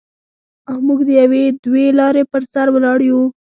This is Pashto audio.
او موږ د یوې دوې لارې پر سر ولاړ یو.